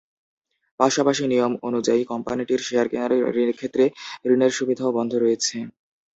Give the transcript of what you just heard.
পাশাপাশি নিয়ম অনুযায়ী কোম্পানিটির শেয়ার কেনার ক্ষেত্রে ঋণসুবিধাও বন্ধ রয়েছে।